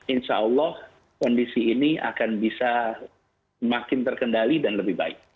insya allah kondisi ini akan bisa makin terkendali dan lebih baik